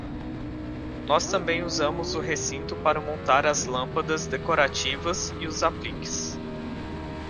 Nós também usamos o recinto para montar as lâmpadas decorativas e os apliques.